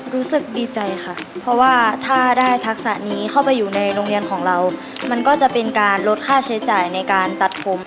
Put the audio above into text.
รู้สึกดีใจค่ะเพราะว่าถ้าได้ทักษะนี้เข้าไปอยู่ในโรงเรียนของเรามันก็จะเป็นการลดค่าใช้จ่ายในการตัดผม